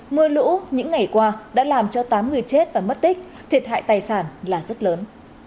mưa lũ những ngày qua đã làm cho tám người chết và mất tích thiệt hại tài sản là rất lớn